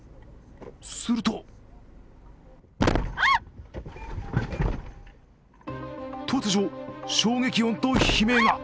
すると突如、衝撃音と悲鳴が。